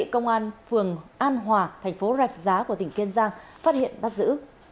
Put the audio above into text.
công an phường an hòa tp rạch giá của tỉnh kiên giang phát hiện bắt giữ